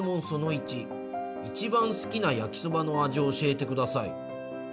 その１「一番好きな焼きそばの味を教えてください」。